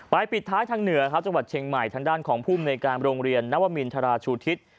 ปิดท้ายทางเหนือครับจังหวัดเชียงใหม่ทางด้านของภูมิในการโรงเรียนนวมินทราชูทิศ